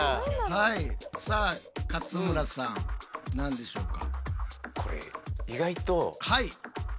はいさあ勝村さん何でしょうか？